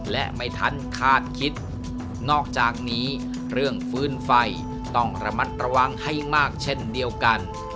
และไม่ทันคาดคิดนอกจากนี้เรื่องฟื้นไฟต้องระมัดระวังให้มากเช่นเดียวกัน